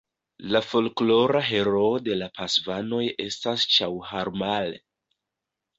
La folklora heroo de la Pasvanoj estas Ĉaŭharmal.